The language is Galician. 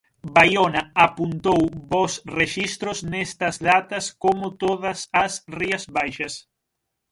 Baiona apuntou bos rexistros nestas datas como todas as Rías Baixas.